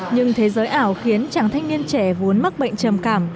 nhưng thế giới ảo khiến chàng thanh niên trẻ vốn mắc bệnh trầm cảm